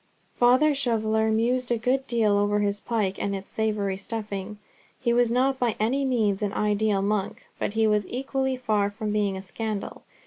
Father Shoveller mused a good deal over his pike and its savoury stuffing. He was not by any means an ideal monk, but he was equally far from being a scandal.